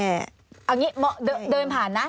เอาอย่างนี้เดินผ่านนะ